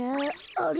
あれ？